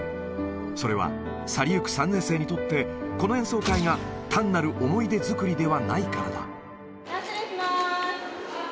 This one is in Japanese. それは、去りゆく３年生にとって、この演奏会が単なる思い出作りではないランスルーします。